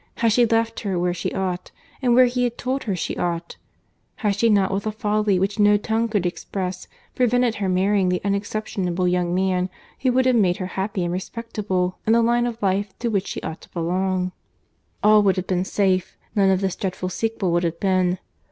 Had she left her where she ought, and where he had told her she ought!—Had she not, with a folly which no tongue could express, prevented her marrying the unexceptionable young man who would have made her happy and respectable in the line of life to which she ought to belong—all would have been safe; none of this dreadful sequel would have been.